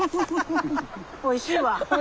おいしいわ。